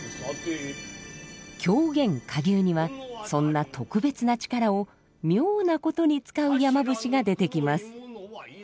狂言「蝸牛」にはそんな特別な力を妙なことに使う山伏が出てきます。